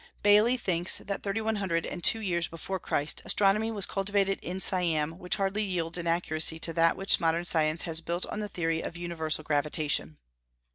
Bailly thinks that thirty one hundred and two years before Christ astronomy was cultivated in Siam which hardly yields in accuracy to that which modern science has built on the theory of universal gravitation.